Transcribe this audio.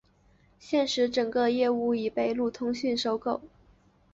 现时整个业务已被路讯通收购。